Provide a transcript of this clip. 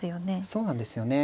そうなんですよね。